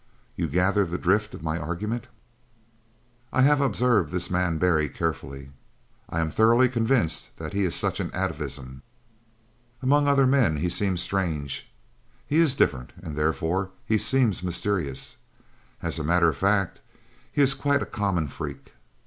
You gather the drift of my argument. "I have observed this man Barry carefully. I am thoroughly convinced that he is such an atavism. "Among other men he seems strange. He is different and therefore he seems mysterious. As a matter of fact, he is quite a common freak.